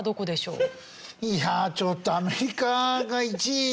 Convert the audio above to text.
いやちょっとアメリカが１位でしょ？